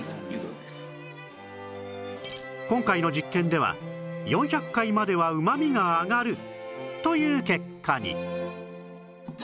今回の実験では４００回までは旨味が上がるという結果に